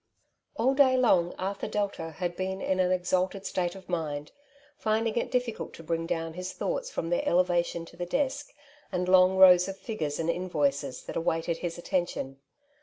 All day long Arthur Delta had been in an exalted state of mind^ finding it difficult to bring down his thoughts from their elevation to the desk^ and long rows of figures and invoices that awaited his attention.